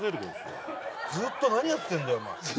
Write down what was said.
ずっと何やってんだよお前。